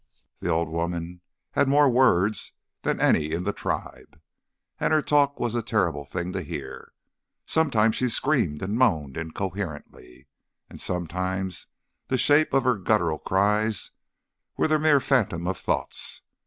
The old woman had more words than any in the tribe. And her talk was a terrible thing to hear. Sometimes she screamed and moaned incoherently, and sometimes the shape of her guttural cries was the mere phantom of thoughts.